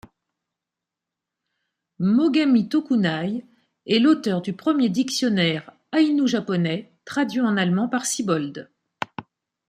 Mogami Tokunai est l'auteur du premier dictionnaire aïnou-japonais, traduit en allemand par Siebold.